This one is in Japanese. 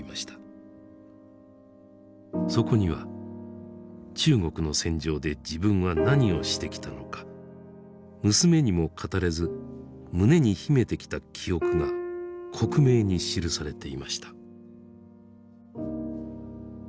そこには中国の戦場で自分は何をしてきたのか娘にも語れず胸に秘めてきた記憶が克明に記されていました。